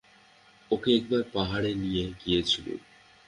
ওকে একবার পাহাড়ে নিয়ে গিয়েছিলুম।